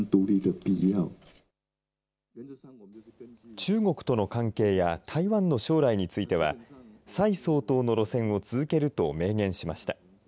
中国との関係や台湾の将来については蔡総統の路線を続けると明言しました。